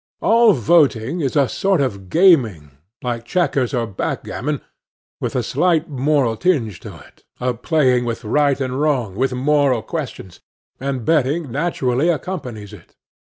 All voting is a sort of gaming, like chequers or backgammon, with a slight moral tinge to it, a playing with right and wrong, with moral questions; and betting naturally accompanies it.